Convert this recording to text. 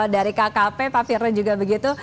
dari kkp pak firno juga begitu